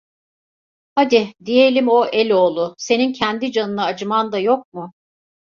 Hadi, diyelim o eloğlu, senin kendi canına acıman da yok mu?